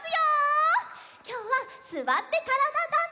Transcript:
きょうは「すわってからだ☆ダンダン」。